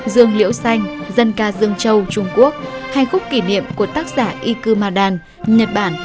dương liễu xanh dân ca dương châu trung quốc hành khúc kỷ niệm của tác giả ikuma dan nhật bản